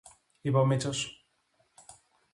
είπε ο Μήτσος